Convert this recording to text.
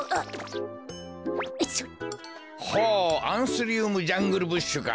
ほうアンスリウムジャングルブッシュか。